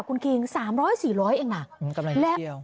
คุณกิงสามร้อยสี่ร้อยเองน่ะอืมกำไรนิดเดียว